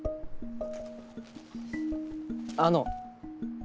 あの。